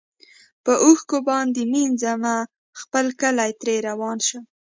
په اوښکو باندي مینځمه خپل کلی ترې روان شم